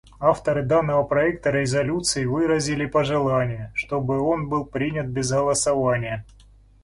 Авторы данного проекта резолюции выразили пожелание, чтобы он был принят без голосования.